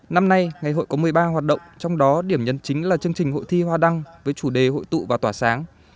năm nay ngày hội có một mươi ba hoạt động trong đó điểm nhấn chính là chương trình hội thi hoa đăng với chủ đề hội tụ và tỏa sáng